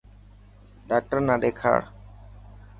ڊاڪٽر نا ڏيکاڙ.